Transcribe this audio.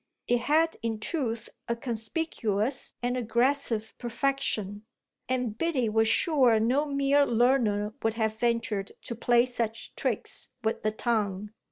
It had in truth a conspicuous and aggressive perfection, and Biddy was sure no mere learner would have ventured to play such tricks with the tongue.